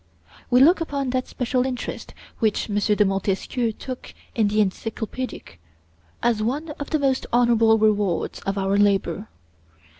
We look upon that special interest which M. de Montesquieu took in the (Encyclopedic) as one of the most honorable rewards of our labor.